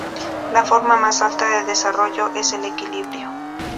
La forma más alta de desarrollo es el "equilibrio".